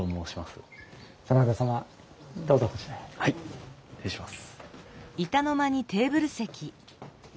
はい失礼します。